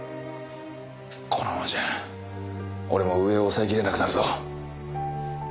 このままじゃ俺も上を抑えきれなくなるぞ。